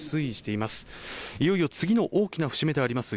いよいよ次の大きな節目であります